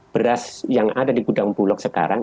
beras yang ada di gudang bulog sekarang